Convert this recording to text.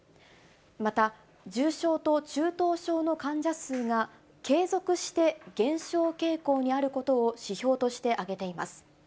また、重症と中等症の患者数が、継続して減少傾向にあることを指標として挙げています。